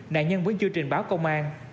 nạn nhân vẫn chưa trình báo công an